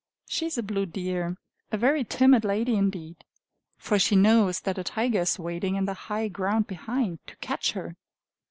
She is a blue deer, a very timid lady indeed; for she knows that a tiger is waiting in the high ground behind, to catch her.